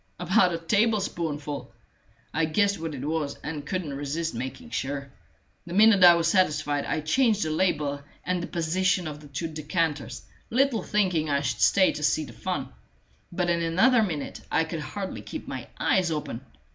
About a tablespoonful! I guessed what it was, and couldn't resist making sure; the minute I was satisfied, I changed the label and the position of the two decanters, little thinking I should stay to see the fun; but in another minute I could hardly keep my eyes open.